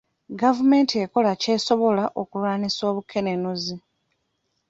Gavumenti ekola ky'esobola okulwanyisa obukenenuzi.